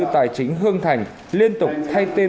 tài chính hương thành liên tục thay tên